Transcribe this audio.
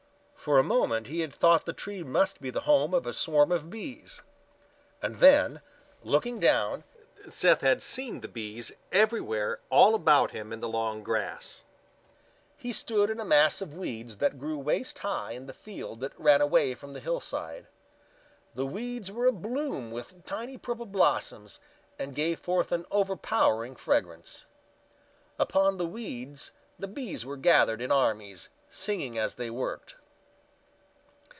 For a moment he had thought the tree must be the home of a swarm of bees. And then, looking down, Seth had seen the bees everywhere all about him in the long grass. He stood in a mass of weeds that grew waist high in the field that ran away from the hillside. The weeds were abloom with tiny purple blossoms and gave forth an overpowering fragrance. Upon the weeds the bees were gathered in armies, singing as they worked.